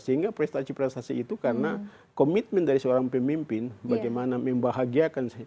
sehingga prestasi prestasi itu karena komitmen dari seorang pemimpin bagaimana membahagiakan